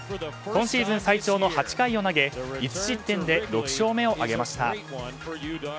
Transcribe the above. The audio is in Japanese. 今シーズン最長の８回を投げ１失点で６勝目を挙げました。